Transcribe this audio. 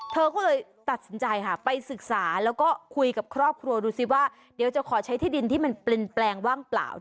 เธอก็เลยตัดสินใจค่ะไปศึกษาแล้วก็คุยกับครอบครัวดูสิว่าเดี๋ยวจะขอใช้ที่ดินที่มันเปลี่ยนแปลงว่างเปล่า